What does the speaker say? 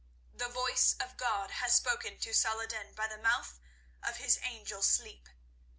The voice of God has spoken to Salah ed din by the mouth of his angel Sleep.